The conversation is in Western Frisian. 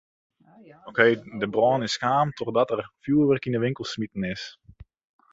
De brân is kaam trochdat der fjurwurk yn de winkel smiten is.